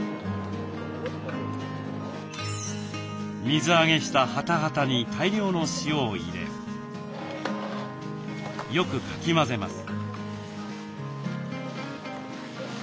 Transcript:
水揚げしたはたはたに大量の塩を入れよくかき混ぜます。